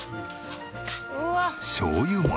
しょうゆ餅。